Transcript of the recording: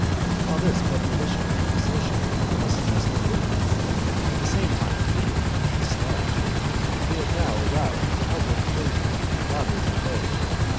While this beneficent associate thus jested with me, at the same time beating me with his staff, we had now arrived at the outward enclosure of the robbers' abode.